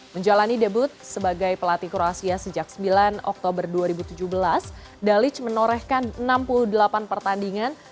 menjalani debut sebagai pelatih kroasia sejak sembilan oktober dua ribu tujuh belas dalic menorehkan enam puluh delapan pertandingan